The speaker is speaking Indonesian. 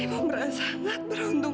ibu merasa sangat beruntung